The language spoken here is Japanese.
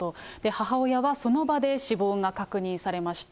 母親はその場で死亡が確認されました。